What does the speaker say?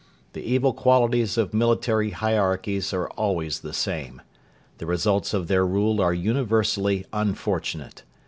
The evil qualities of military hierarchies are always the same. The results of their rule are universally unfortunate.